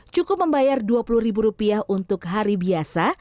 cukup membayar dua puluh ribu rupiah untuk hari biasa